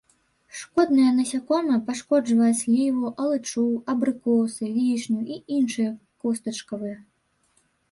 Шкоднае насякомае, пашкоджвае сліву, алычу, абрыкосы, вішню і іншыя костачкавыя.